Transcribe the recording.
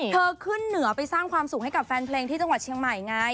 ขึ้นเหนือไปสร้างความสุขให้กับแฟนเพลงที่จังหวัดเชียงใหม่ไง